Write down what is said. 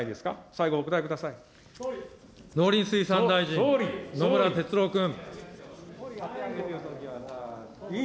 最後、農林水産大臣、野村哲郎君。